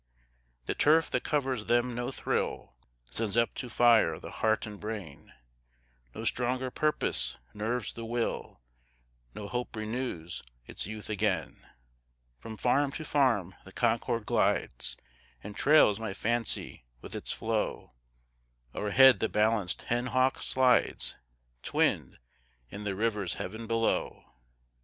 The turf that covers them no thrill Sends up to fire the heart and brain; No stronger purpose nerves the will, No hope renews its youth again: From farm to farm the Concord glides, And trails my fancy with its flow; O'erhead the balanced henhawk slides, Twinned in the river's heaven below.